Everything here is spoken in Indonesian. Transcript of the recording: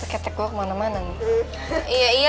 oh tidak saya mah tidak bisa